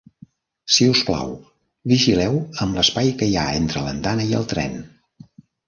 Si us plau, vigileu amb l'espai que hi ha entre l'andana i el tren.